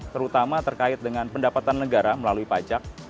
terutama terkait dengan pendapatan negara melalui pajak